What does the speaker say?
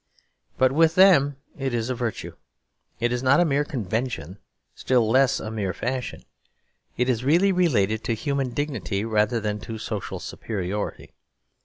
But with them it is a virtue; it is not a mere convention, still less a mere fashion. It is really related to human dignity rather than to social superiority.